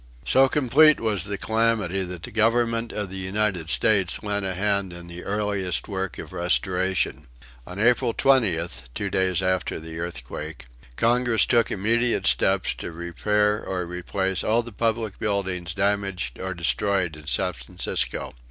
So complete was the calamity that the Government of the United States lent a hand in the earliest work of restoration. On April 20th, two days after the earthquake, Congress took immediate steps to repair or replace all the public buildings damaged or destroyed in San Francisco.